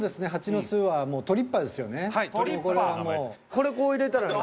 これこう入れたら何か。